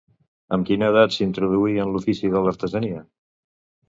Amb quina edat s'introduí en l'ofici de l'artesania?